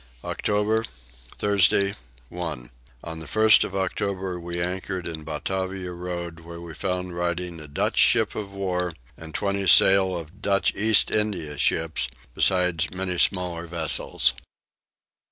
October. Thursday 1. On the 1st of October we anchored in Batavia road, where we found riding a Dutch ship of war and 20 sail of Dutch East India ships, besides many smaller vessels.